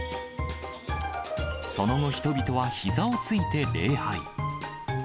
その後、人々はひざをついて礼拝。